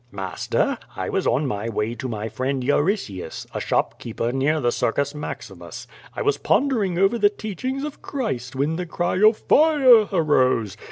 "Master, I was on my way to my friend Euritius, a shop keeper near the Circus Maximus. I was pondering over the teachings of Christ when the cry of Tire' arose.